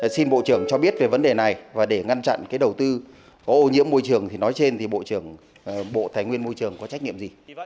xin bộ trưởng cho biết về vấn đề này và để ngăn chặn cái đầu tư có ô nhiễm môi trường thì nói trên thì bộ trưởng bộ tài nguyên môi trường có trách nhiệm gì